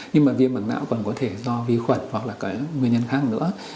nhưng mà viêm mảng não còn có thể do vi khuẩn hoặc là cái nguyên nhân khác nữa